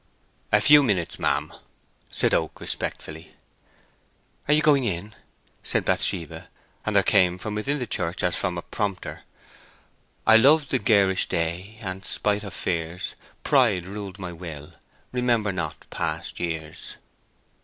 "A few minutes, ma'am," said Oak, respectfully. "Are you going in?" said Bathsheba; and there came from within the church as from a prompter— I loved the garish day, and, spite of fears, Pride ruled my will: remember not past years.